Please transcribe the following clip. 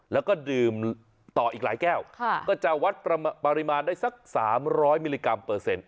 แล้วก็ดื่มต่ออีกหลายแก้วก็จะวัดปริมาณได้สัก๓๐๐มิลลิกรัมเปอร์เซ็นต์